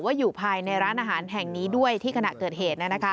อยู่ภายในร้านอาหารแห่งนี้ด้วยที่ขณะเกิดเหตุ